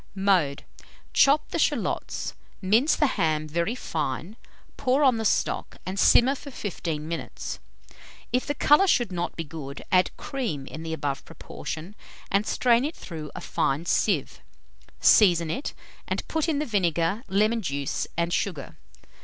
Mode. Chop the shalots, mince the ham very fine, pour on the stock, and simmer for 15 minutes. If the colour should not be good, add cream in the above proportion, and strain it through a fine sieve; season it, and put in the vinegar, lemon juice, and sugar.